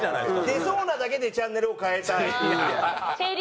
「出そうなだけでチャンネルを替えたい」。